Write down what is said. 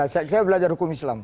saya belajar hukum islam